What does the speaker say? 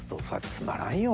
つまらんよ